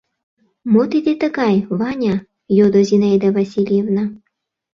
— Мо тиде тыгай, Ваня? — йодо Зинаида Васильевна.